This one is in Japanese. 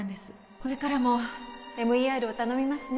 これからも ＭＥＲ を頼みますね